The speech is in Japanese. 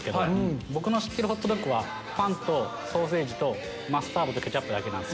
僕の知ってるホットドッグはパンとソーセージとマスタードとケチャップだけ。